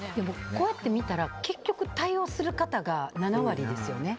こうやって見たら結局対応する方が７割ですよね。